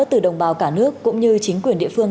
từ đồng bào cả nước cũng như chính quyền địa phương